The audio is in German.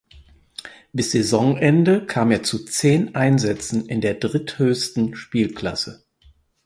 Bis Saisonende kam er zu zehn Einsätzen in der dritthöchsten Spielklasse.